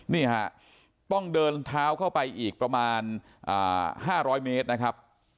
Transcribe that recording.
นี่ฮะต้องเดินเท้าเข้าไปอีกประมาณ๕๐๐เมตรนะครับ